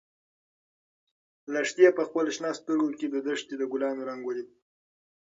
لښتې په خپلو شنه سترګو کې د دښتې د ګلانو رنګ ولید.